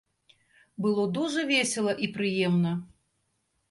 Было дужа весела і прыемна.